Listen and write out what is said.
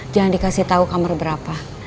jangan dikasih tahu kamar berapa